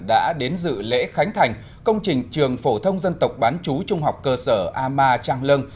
đã đến dự lễ khánh thành công trình trường phổ thông dân tộc bán chú trung học cơ sở ama trang lương